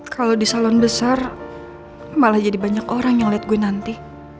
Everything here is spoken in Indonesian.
kalau di salon besar malah jadi banyak orang yang lihat gue nanti